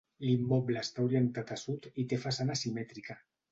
L'immoble està orientat a sud i té façana simètrica.